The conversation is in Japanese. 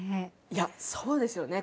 いやそうですよね。